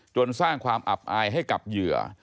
สร้างความอับอายให้กับเหยื่อ